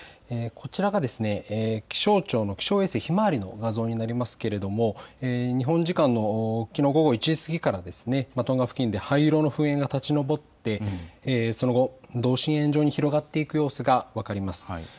こちらが気象庁の気象衛星ひまわりの画像になりますけれども日本時間のきのう午後１時過ぎからトンガ付近で灰色の噴煙が立ち上ってその後、同心円状に広がっていく様子が分かります。